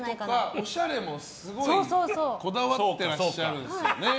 おしゃれもすごいこだわってらっしゃるんですよね。